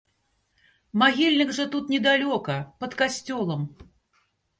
Магільнік жа тут недалёка, пад касцёлам.